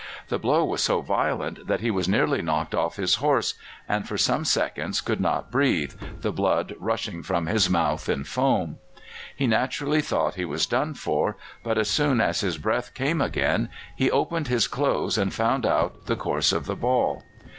The blow was so violent that he was nearly knocked off his horse, and for some seconds could not breathe, the blood rushing from his mouth in foam. He naturally thought he was done for, but as soon as his breath came again, he opened his clothes and found out the course of the ball.